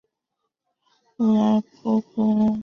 在历史上它属于乌普兰。